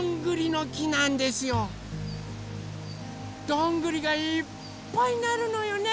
どんぐりがいっぱいなるのよね